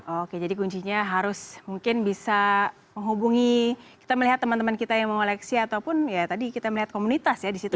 oke jadi kuncinya harus mungkin bisa menghubungi kita melihat teman teman kita yang mengoleksi ataupun ya tadi kita melihat komunitas ya disitu